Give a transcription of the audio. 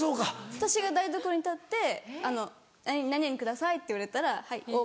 私が台所に立って何々くださいって言われたらはい大葉。